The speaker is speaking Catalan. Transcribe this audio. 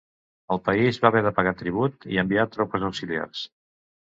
El país va haver de pagar tribut i enviar tropes auxiliars.